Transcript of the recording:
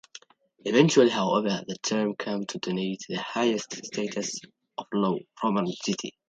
Eventually, however, the term came to denote the highest status of Roman city.